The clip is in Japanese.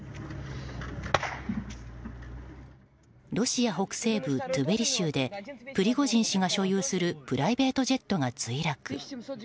ロシア北西部トベリ州でプリゴジン氏が所有するプライベートジェットが墜落。